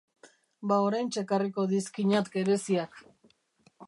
Ba oraintxe ekarriko dizkinat gereziak.